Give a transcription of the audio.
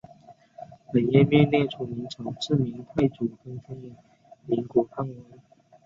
本页面列出明朝自明太祖分封的岷国藩王。